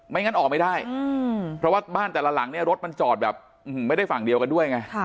งั้นออกไม่ได้เพราะว่าบ้านแต่ละหลังเนี่ยรถมันจอดแบบไม่ได้ฝั่งเดียวกันด้วยไง